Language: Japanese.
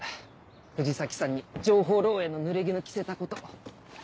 藤崎さんに情報漏洩のぬれぎぬ着せたこと。